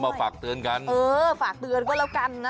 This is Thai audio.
เออฝากเตือนก็แล้วกัน